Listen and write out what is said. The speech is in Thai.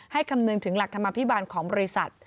คำนึงถึงหลักธรรมภิบาลของบริษัท